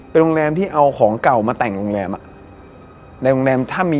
เป็นโรงแรมที่เอาของเก่ามาแต่งโรงแรมอะ